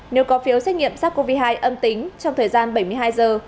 nếu có phiếu xét nghiệm sars cov hai âm tính trong thời gian bảy mươi hai giờ